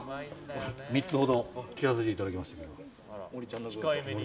３つほど切らせていただきました。